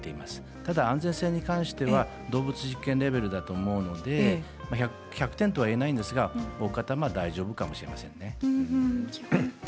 ただ安全性に関しては動物実験レベルだと思うので１００点とは言えませんが大方は大丈夫かもしれません。